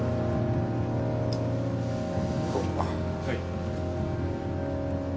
はい。